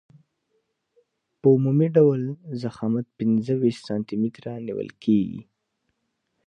په عمومي ډول ضخامت پنځه ویشت سانتي متره نیول کیږي